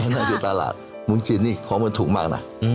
ผมใช้ตลาดผมฝีมือจีนนี่ของทุกข์มากนะ